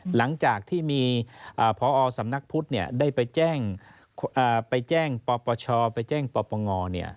หลังจากที่มีพอสำนักพุทธได้ไปแจ้งปปชไปแจ้งปปง